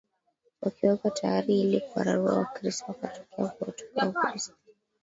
wakiwekwa tayari ili kuwararua Wakristo wakatokea Kuwatupa Wakristo